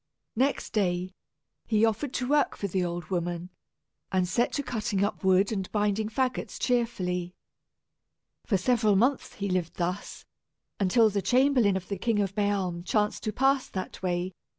Next day, he offered to work for the old woman, and set to cutting up wood and binding fagots cheerfully. For several months he lived thus, until the chamberlain of the King of Bealm chanced to pass that way.